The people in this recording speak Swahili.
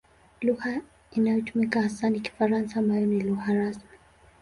Lugha inayotumika hasa ni Kifaransa ambayo ni lugha rasmi.